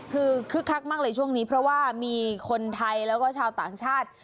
คือคึกคักมากเลยช่วงนี้เพราะว่ามีคนไทยแล้วก็ชาวต่างชาติ